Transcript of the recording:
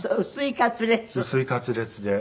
薄いカツレツで。